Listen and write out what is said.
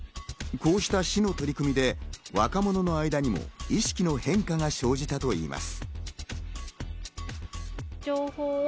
こうした市の取り組みで若者の間にも意識の変化が生じたといいます。